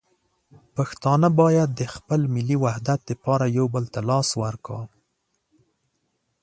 پښتانه باید د خپل ملي وحدت لپاره یو بل ته لاس ورکړي.